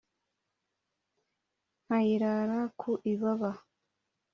nkayirara ku ibaba